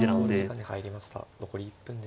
残り１分です。